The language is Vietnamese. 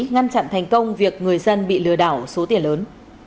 ngăn chặn thành công việc người dân bị lừa đảo số tiền lớn